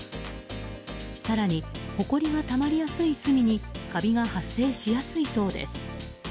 更に、ほこりがたまりやすい隅にカビが発生しやすいそうです。